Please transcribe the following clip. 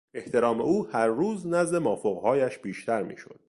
احترام او هر روز نزد مافوقهایش بیشتر میشد.